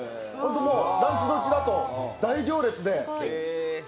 ランチ時だと大行列で。